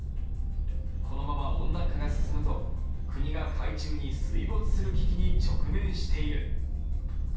このまま温暖化が進むと国が海中に水没する危機に直面している。